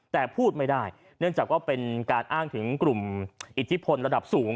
แต่พูดไม่ได้เนื่องจากว่าเป็นการอ้างถึงกลุ่มอิทธิพลระดับสูง